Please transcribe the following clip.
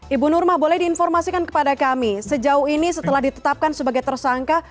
ibu nurma boleh diinformasikan kepada kami sejauh ini setelah ditetapkan sebagai tersangka